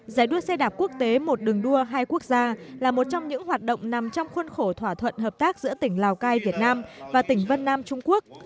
giải đua xe đạp quốc tế một đường đua hai quốc gia là một trong những hoạt động nằm trong khuôn khổ thỏa thuận hợp tác giữa tỉnh lào cai việt nam và tỉnh vân nam trung quốc